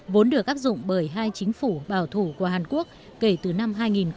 vốn được áp dụng bởi hai chính phủ bảo thủ của hàn quốc kể từ năm hai nghìn bảy